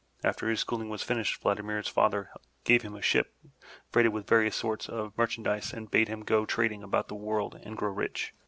After his schooling was finished, Vladimir's father gave him a ship freighted with various sorts of merchandise and bade him go trading about the world and grow rich.